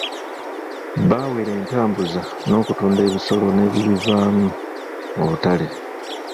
Baawera entambuza n'okutunda ebisolo n'ebibivaamu mu butale.